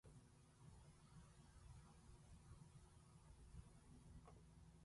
Presently she went out and strained the potatoes.